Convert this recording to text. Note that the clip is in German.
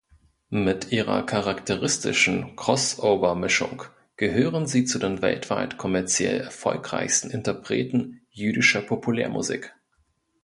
Mit ihrer charakteristischen Crossover-Mischung gehören sie zu den weltweit kommerziell erfolgreichsten Interpreten jüdischer Populärmusik.